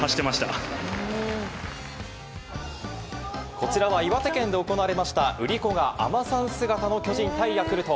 こちらは岩手県で行われました売り子が海女さん姿の巨人対ヤクルト。